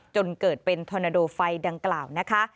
จนเกิดเป็นธอนาโดไฟดังกล่าวนะคะ